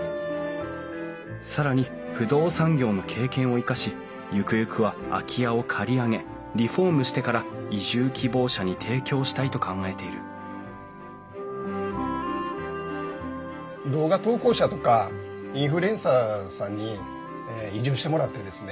更に不動産業の経験を生かしゆくゆくは空き家を借り上げリフォームしてから移住希望者に提供したいと考えている動画投稿者とかインフルエンサーさんに移住してもらってですね